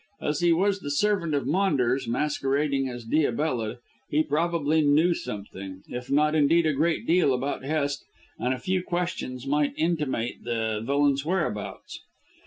As he was the servant of Maunders masquerading as Diabella he probably knew something, if not indeed a great deal, about Hest, and a few questions might intimate the villain's whereabouts.